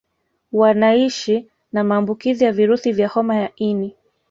Wanaishi na maambukizi ya virusi vya homa ya ini